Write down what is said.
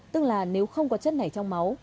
tức là nếu không có chất này trong máu